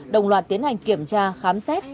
đồng loạt tiến hành kiểm tra khám xét